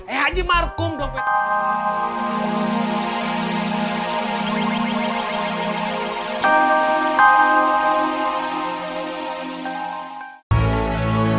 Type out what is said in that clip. eh haji markung dong